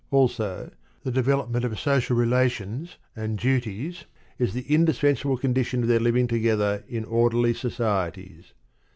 also, the development of social relations and duties is the indispensable condition of their living together in orderly societies.